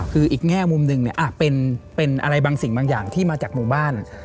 คืออีกแง่มุมหนึ่งเป็นอะไรบางสิ่งบางอย่างที่มาจากหมู่บ้าน